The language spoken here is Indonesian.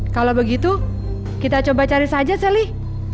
kalau begitu kita coba cari saja sally